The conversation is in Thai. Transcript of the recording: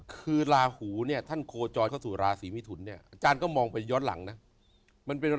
คือลาหูเนี่ยท่านโคจรเข้าสู่ราศีมิถุนเนี่ยอาจารย์ก็มองไปย้อนหลังนะ